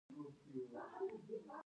د تپلو پر ځای باید وړاندیز وشي.